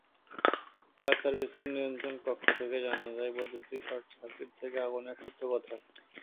Fire সার্ভিসের নিয়ন্ত্রণকক্ষ থেকে জানা যায়, বৈদ্যুতিক শর্টসার্কিট থেকে আগুনের সূত্রপাত হয়।